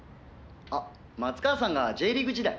「あ松川さんがＪリーグ時代？」